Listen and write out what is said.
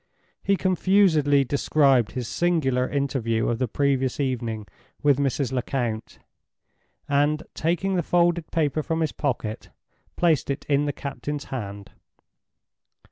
He confusedly described his singular interview of the previous evening with Mrs. Lecount, and, taking the folded paper from his pocket, placed it in the captain's hand.